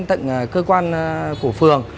tận cơ quan của phường